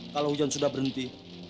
kalau hujan sudah berhenti